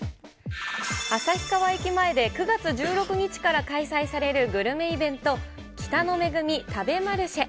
旭川駅前で９月１６日から開催されるグルメイベント、北の恵み食べマルシェ。